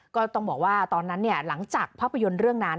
ก็ต้องบอกว่าตอนนั้นหลังจากภาพยนตร์เรื่องนั้น